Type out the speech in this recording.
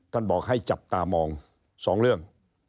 บอกให้จับตามอง๒เรื่อง